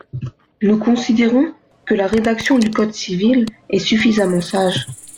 Nous considérons que la rédaction du code civil est suffisamment sage.